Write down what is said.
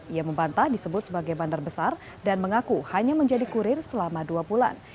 ia membantah disebut sebagai bandar besar dan mengaku hanya menjadi kurir selama dua bulan